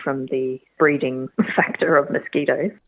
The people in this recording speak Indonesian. untuk menghilangkan faktor penyakit